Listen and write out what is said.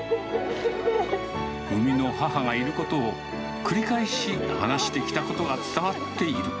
産みの母がいることを繰り返し話してきたことが伝わっている。